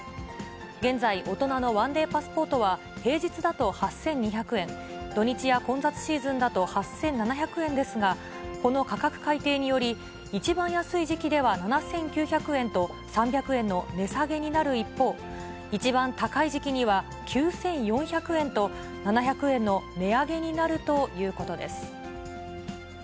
現在、大人の１デーパスポートは平日だと８２００円、土日や混雑シーズンだと８７００円ですが、この価格改定により、一番安い時期では７９００円と、３００円の値下げになる一方、一番高い時期には９４００円と、７００円の値上げになるということです。